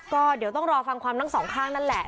ก็เดี๋ยวต้องรอฟังความทั้งสองข้างนั่นแหละ